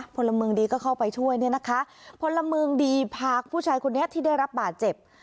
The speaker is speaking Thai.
พลเมืองดีก็เข้าไปช่วยเนี่ยนะคะพลเมืองดีพาผู้ชายคนนี้ที่ได้รับบาดเจ็บ